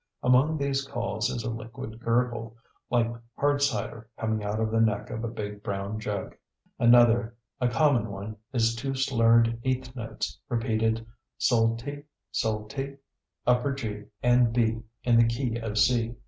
Among these calls is a liquid gurgle, like hard cider coming out of the neck of a big brown jug. Another, and a common one, is two slurred eighth notes, repeated, "sol te, sol te" upper G and B in the key of C.